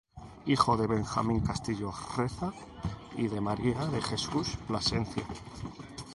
Hijo de Benjamín Castillo Reza y de María de Jesús Plascencia.